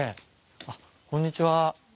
あっこんにちは。